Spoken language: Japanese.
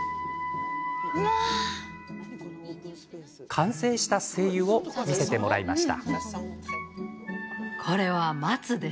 完成した精油を見せてもらいました。